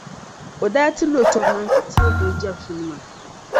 o daa ti lo tɔb’ na nti teei gili Jabɛshinima.